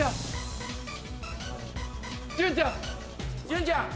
潤ちゃん！